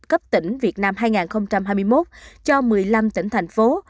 cấp tỉnh việt nam hai nghìn hai mươi một cho một mươi năm tỉnh thành phố